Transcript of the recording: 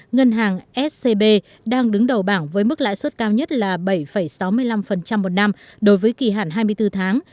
ngân hàng scb đang đứng đầu bảng với mức lãi suất cao nhất là bảy sáu mươi năm một năm đối với kỳ hạn hai mươi bốn tháng